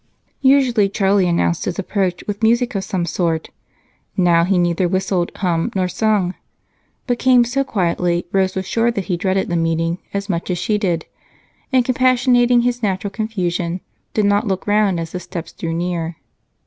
Usually Charlie announced his approach with music of some sort. Now he neither whistled, hummed, nor sang, but came so quietly Rose was sure that he dreaded this meeting as much as she did and, compassionating his natural confusion, did not look around as the steps drew near.